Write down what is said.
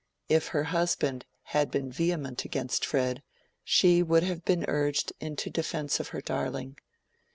If her husband had been vehement against Fred, she would have been urged into defence of her darling.